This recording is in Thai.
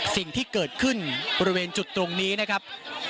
สิ่งที่เกิดขึ้นบริเวณจุดตรงนี้นะครับ